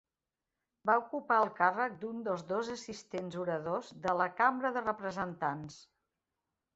Va ocupar el càrrec d'un dels dos assistents oradors de la Cambra de Representants.